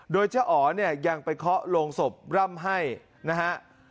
โดยเจ้าหอยังไปเคาะลงศพร่ำให้นะฮะ